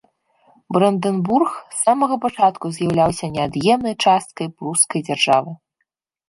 Брандэнбург з самага пачатку з'яўляўся неад'емнай часткай прускай дзяржавы.